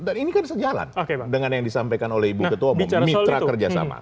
dan ini kan sejalan dengan yang disampaikan oleh ibu ketua memitra kerjasama